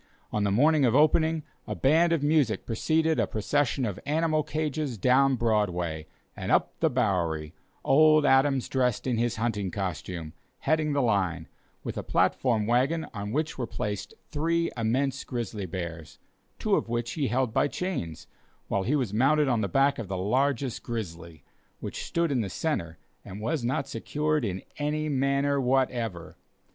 On the morning of opening, a band of music preceded a procession of animal cages down Broadway and up the Bowery, old Adams dressed in his hunting costume, heading the line, with a platform wagon on which were placed three immense grizzly bears, two of which he held by chains, while he was mounted on the back of the largest grizzly, which stood in the centre and was not secured in any manner whatever.